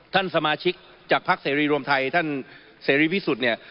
ท่านสมาชิกจากพักเสรีรวมไทยท่านเสรีพิสุทธิ์เนี่ย